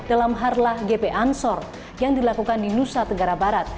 dalam harlah gp ansor yang dilakukan di nusa tenggara barat